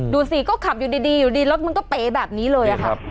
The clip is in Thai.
ดูสิก็ขับอยู่ดีอยู่ดีรถมันก็เป๋แบบนี้เลยค่ะ